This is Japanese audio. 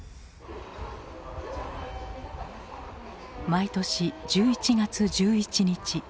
毎年１１月１１日